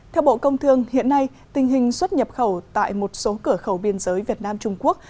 theo bộ công thương hiện nay tình hình xuất nhập khẩu tại một số cửa khẩu biên giới việt nam trung quốc